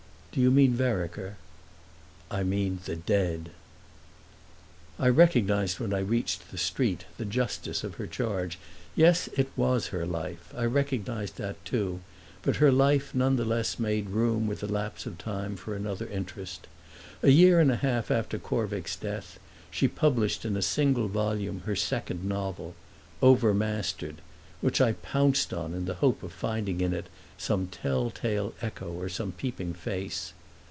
"Do you mean Vereker?" "I mean the Dead!" I recognised when I reached the street the justice of her charge. Yes, it was her life—I recognised that too; but her life none the less made room with the lapse of time for another interest. A year and a half after Corvick's death she published in a single volume her second novel, "Overmastered," which I pounced on in the hope of finding in it some tell tale echo or some peeping face.